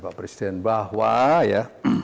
pak presiden bahwa ya